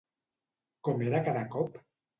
Com era cada cop?